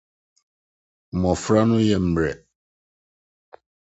‘ Mmofra no Yɛ Mmerɛw ’